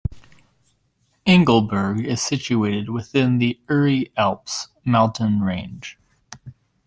Engelberg is situated within the Uri Alps mountain range.